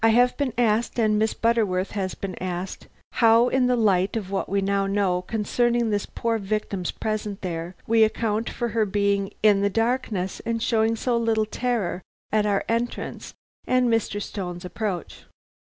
"I have been asked, and Miss Butterworth has been asked, how in the light of what we now know concerning this poor victim's presence there, we account for her being in the darkness and showing so little terror at our entrance and Mr. Stone's approach.